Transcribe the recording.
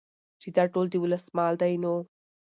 چې دا ټول د ولس مال دى نو